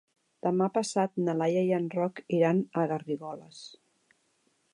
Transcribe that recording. Demà passat na Laia i en Roc iran a Garrigoles.